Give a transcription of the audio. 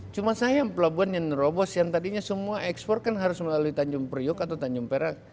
cuma saya yang pelabuhan yang nerobos yang tadinya semua ekspor kan harus melalui tanjung priuk atau tanjung perak